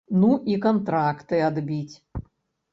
Ну і кантракты адбіць.